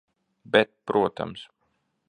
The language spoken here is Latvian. Bet protams.